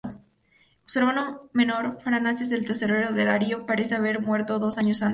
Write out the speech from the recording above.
Su hermano menor, Farnaces, el tesorero de Darío, parece haber muerto dos años antes.